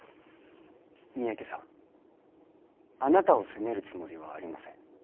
三宅さんあなたを責めるつもりはありません